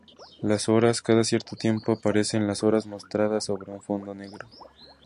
Las horas: cada cierto tiempo aparecen las horas mostradas sobre un fondo negro.